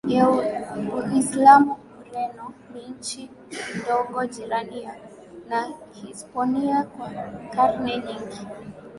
ya Uislamu Ureno ni nchi ndogo jirani na Hispania Kwa karne nyingi